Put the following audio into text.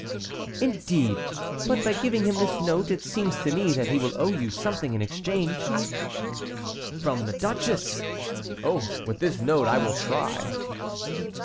"Indeed! But by giving him this note, it seems to me that he will owe you something in exchange." "From the duchess! Oh, with this note I will try."